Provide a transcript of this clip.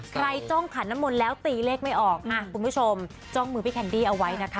จ้องขันน้ำมนต์แล้วตีเลขไม่ออกคุณผู้ชมจ้องมือพี่แคนดี้เอาไว้นะคะ